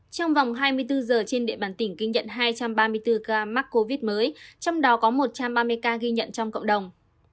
trong vòng hai mươi bốn giờ trên địa bàn tỉnh ghi nhận hai trăm ba mươi bốn ca mắc covid mới trong đó có một trăm ba mươi ca ghi nhận trong cộng đồng